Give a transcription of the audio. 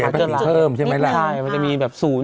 เพราะมันจะเหลือมันมีแบบ๐๗๕